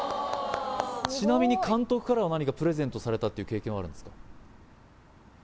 ちなみに監督からは何かプレゼントされたって経験はあるんですか？